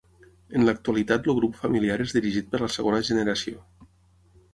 En l'actualitat el grup familiar és dirigit per la segona generació.